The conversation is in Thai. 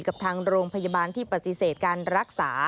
กับทางโรงพยาบาลที่ปฏิเสธการรักษา